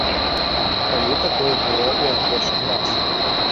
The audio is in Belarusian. Калі такое было ў апошні раз?